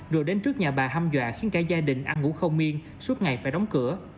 rồi đến trước nhà bà hâm dọa khiến cả gia đình ăn ngủ không miên suốt ngày phải đóng cửa